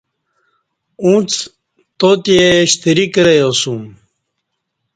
اݩڅ تاتے شتری کریاسُوم